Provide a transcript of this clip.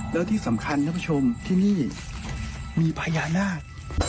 แล้วที่สำคัญท่านผู้ชมที่นี่มีพญานาค